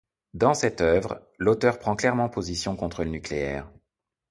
Dans cette œuvre, l’auteure prend clairement position contre le nucléaire.